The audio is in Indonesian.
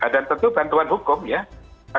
dan tentu bantuan hukum ya